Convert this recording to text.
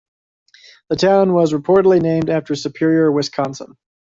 The town was reportedly named after Superior, Wisconsin.